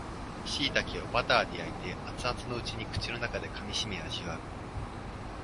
しいたけをバターで焼いて熱々のうちに口の中で噛みしめ味わう